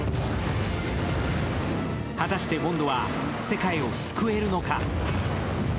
果たしてボンドは世界を救えるのか。